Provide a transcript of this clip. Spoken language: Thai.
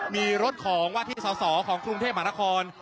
มีรถของวาธิสลของกรุงเทพหมานคร